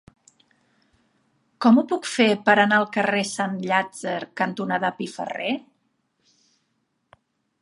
Com ho puc fer per anar al carrer Sant Llàtzer cantonada Piferrer?